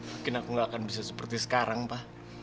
mungkin aku gak akan bisa seperti sekarang pak